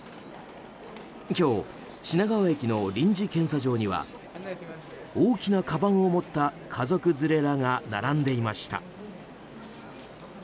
今日、品川駅の臨時検査場には大きなかばんを持った家族連れらが並んでいました。